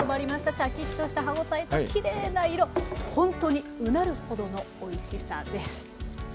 しゃきっとした歯応えときれいな色ほんとにうなるほどのおいしさです。